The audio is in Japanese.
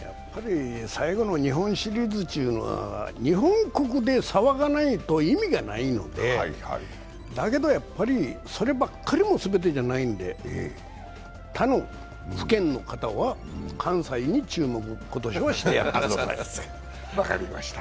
最後の日本シリーズっていうのは日本国で騒がないと意味がないのでだけどやっぱり、そればっかりも全てじゃないので、他の府県の方は関西に注目、今年はしてあげてください。